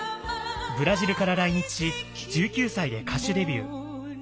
ブラジルから来日し１９歳で歌手デビュー。